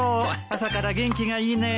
朝から元気がいいね。